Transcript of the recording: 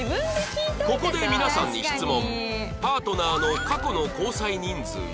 ここで皆さんに質問